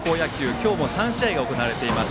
今日も３試合が行われます。